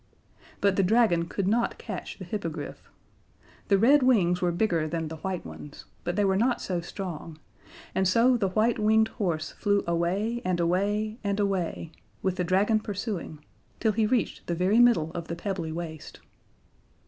But the Dragon could not catch the Hippogriff. The red wings were bigger than the white ones, but they were not so strong, and so the white winged horse flew away and away and away, with the Dragon pursuing, till he reached the very middle of the Pebbly Waste.